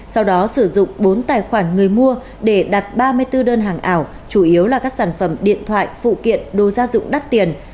sau đó sử dụng bốn tài khoản người mua để đặt ba mươi bốn đơn hàng ảo chủ yếu là các sản phẩm điện thoại phụ kiện đồ gia dụng đắt tiền